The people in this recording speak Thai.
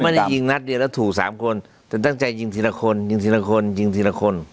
ไม่ได้ยิงนัดเดียวแล้วถูกสามคนแต่ตั้งใจยิงทีละคนยิงทีละคนยิงทีละคน